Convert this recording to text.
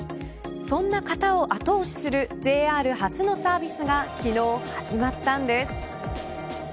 そんな方を後押しするＪＲ初のサービスが昨日始まったんです。